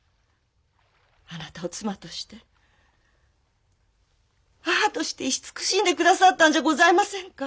あなたを妻として母として慈しんで下さったんじゃございませんか？